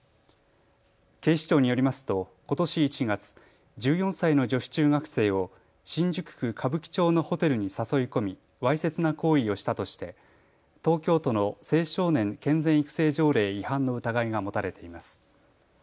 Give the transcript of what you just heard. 警視庁によりますとことし１月、１４歳の女子中学生を新宿区歌舞伎町のホテルに誘い込みわいせつな行為をしたとして東京都の青少年健全育成条例違反の疑いが持たれています。